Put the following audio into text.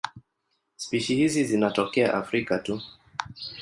Spishi hizi zinatokea Afrika tu.